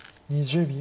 ２０秒。